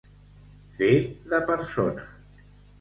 Fer de persona.